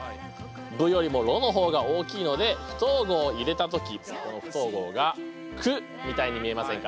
「ぶ」よりも「ろ」の方が大きいので不等号を入れた時この不等号が「く」みたいに見えませんか？